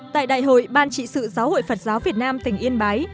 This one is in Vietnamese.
tại đại hội ban trị sự giáo hội phật giáo việt nam tỉnh yên bái